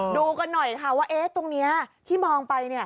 ดูกันหน่อยค่ะว่าตรงนี้ที่มองไป